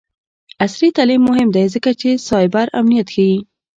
عصري تعلیم مهم دی ځکه چې سایبر امنیت ښيي.